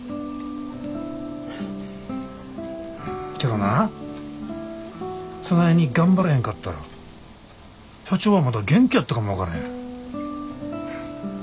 けどなぁそないに頑張れへんかったら社長はまだ元気やったかも分かれへん。